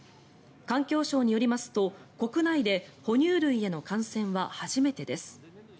環境省によりますと、国内で哺乳類への感染は初めてです。